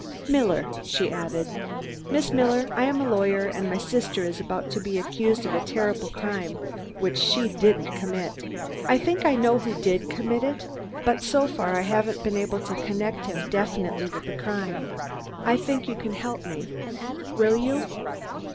"Miller," she added. "Miss Miller. I am a lawyer, and my sister is about to be accused of a terrible crime which she didn't commit. I think I know who did commit it, but so far I haven't been able to connect him definitely with the crime. I think you can help me. Will you?"